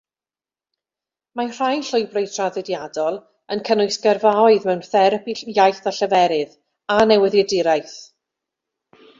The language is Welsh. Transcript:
Mae rhai llwybrau traddodiadol yn cynnwys gyrfaoedd mewn therapi iaith a lleferydd, a newyddiaduraeth.